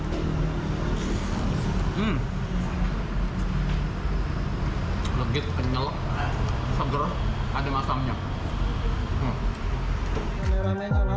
legit kenyal segar ada asamnya